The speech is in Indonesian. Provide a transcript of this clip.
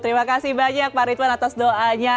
terima kasih banyak pak ridwan atas doanya